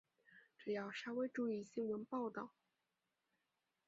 只要稍微注意新闻报导